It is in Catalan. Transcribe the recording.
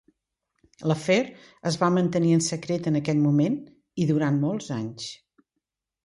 L'afer es va mantenir en secret en aquell moment i durant molts anys.